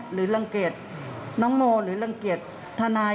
หรือรังเกียจน้องโมหรือรังเกียจทนาย